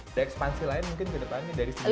ada ekspansi lain mungkin kedepannya dari segi bisnis